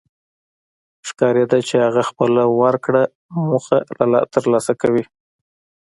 ښکارېده چې هغه خپله ورکړه موخه تر لاسه کوي.